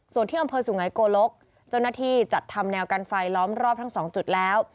ส่วนที่อำเภอสุไงโกลกเจ้าหน้าที่จัดทำแนวกันไฟล้อมรอบทั้งสองจุดแล้ว